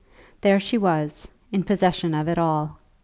There she was in possession of it all.